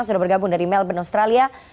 sudah bergabung dari melbourne australia